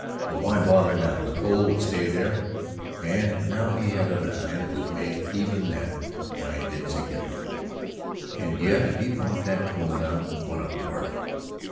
But why bother now? The coal would stay there, and now he had other plans that made even that find insignificant. And yet if he bought that coal now what a bargain!